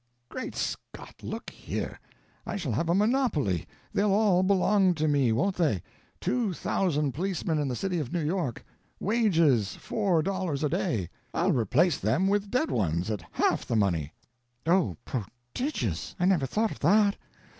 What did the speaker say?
"Great Scott, look here. I shall have a monopoly; they'll all belong to me, won't they? Two thousand policemen in the city of New York. Wages, four dollars a day. I'll replace them with dead ones at half the money." "Oh, prodigious! I never thought of that.